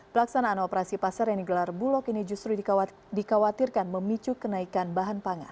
pelaksanaan operasi pasar yang digelar bulog ini justru dikhawatirkan memicu kenaikan bahan pangan